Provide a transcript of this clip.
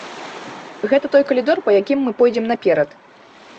Гэта той калідор, па якім мы пойдзем наперад.